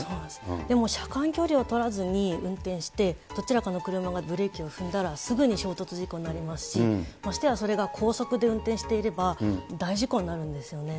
でも車間距離を取らずに運転して、どちらかの車がブレーキを踏んだらすぐに衝突事故になりますし、ましてやそれが高速で運転していれば、大事故になるんですよね。